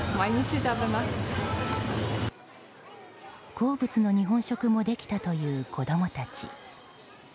好物の日本食もできたという子供たち。